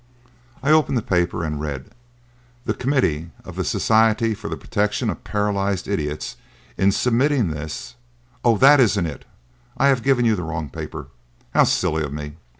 I opened the paper and read: "The Committee of the Society for the Protection of Paralysed Idiots, in submitting this " "Oh! that isn't it; I have given you the wrong paper. How silly of me!